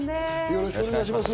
よろしくお願いします。